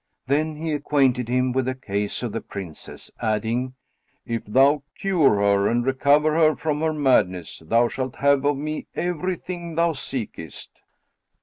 Then he acquainted him with the case of the Princess, adding, "If thou cure her and recover her from her madness, thou shalt have of me everything thou seekest."